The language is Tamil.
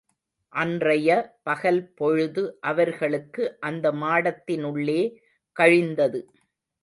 அன்றைய பகல்பொழுது அவர்களுக்கு அந்த மாடத்தினுள்ளே கழிந்தது.